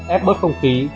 ép bớt không khí